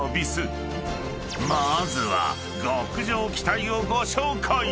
［まずは極上機体をご紹介！］